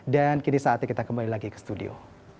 dan kini saatnya kita kembali lagi ke studio